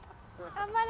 頑張れ！